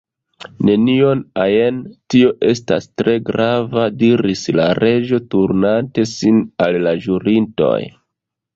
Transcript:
"Nenion ajn." "Tio estas tre grava," diris la Reĝo turnante sin al la ĵurintoj.